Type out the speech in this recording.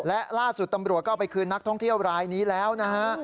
และล่าสุดตำรวจก็เอาไปคืนนักท่องเที่ยวรายนี้แล้วนะฮะ